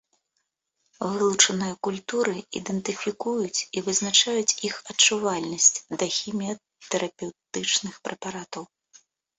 Вылучаныя культуры ідэнтыфікуюць і вызначаюць іх адчувальнасць да хіміятэрапеўтычных прэпаратаў.